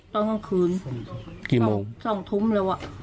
ตอนท่านคืน